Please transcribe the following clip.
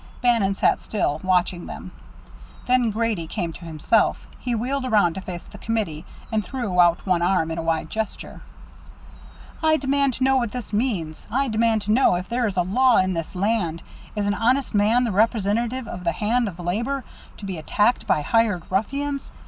Bannon sat still, watching them. Then Grady came to himself. He wheeled around to face the committee, and threw out one arm in a wide gesture. "I demand to know what this means! I demand to know if there is a law in this land! Is an honest man, the representative of the hand of labor, to be attacked by hired ruffians?